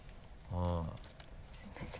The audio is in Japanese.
すいません。